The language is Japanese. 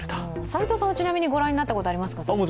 斎藤さんはちなみに御覧になったことはありますか？